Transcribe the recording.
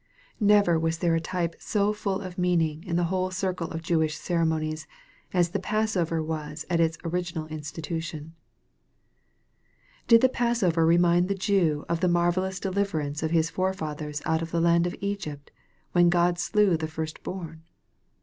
Never was there a type so full of meaning in the whole circle of Jewish ceremonies, as the passover was at its original institution Did the passover remind the Jew of the marvellous deliverance of his forefathers out of the land of Egypt, when God slew the first born